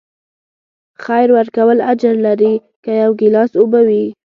خیر ورکول اجر لري، که یو ګیلاس اوبه وي.